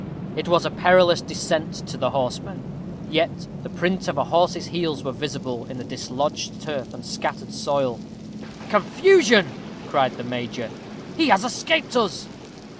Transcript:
It was a perilous descent to the horseman, yet the print of a horse's heels were visible in the dislodged turf and scattered soil. "Confusion!" cried the major, "he has escaped us."